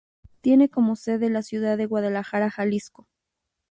Tiene como sede la ciudad de Guadalajara, Jalisco.